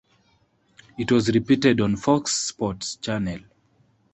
It was repeated on Fox sports channel.